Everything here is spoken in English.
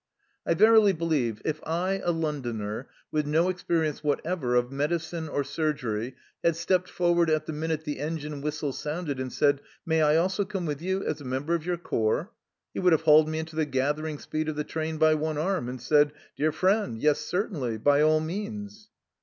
I verily believe if I, a Londoner, with no experience what ever of medicine or surgery, had stepped forward at the minute the engine whistle sounded, and said, " May I also come with you as a member of your corps ?" he would have hauled me into the gathering speed of the train by one arm, and said, " Dear friend, yes, certainly ; by all means